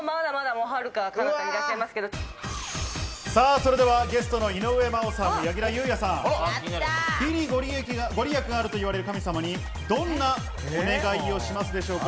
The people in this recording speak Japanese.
それではゲストの井上真央さん、柳楽優弥さん、美に御利益があると言われる神様に、どんなお願いをしますでしょうか？